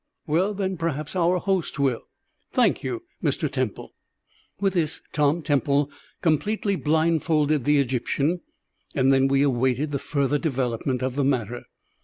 Well, then, perhaps our host will. Thank you, Mr. Temple." With this Tom Temple completely blindfolded the Egyptian, and then we awaited the further development of the matter.